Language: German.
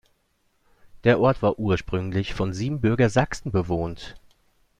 Der Ort war ursprünglich von Siebenbürger Sachsen bewohnt.